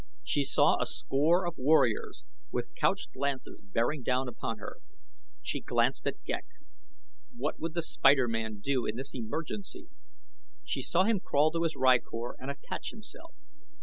She saw a score of warriors with couched lances bearing down upon her. She glanced at Ghek. What would the spiderman do in this emergency? She saw him crawl to his rykor and attach himself.